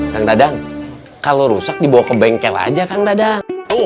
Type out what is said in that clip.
kang dadang kalau rusak dibawa ke bengkel aja kang dadang